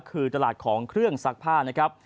คือตลาดของเครื่องซักผ้า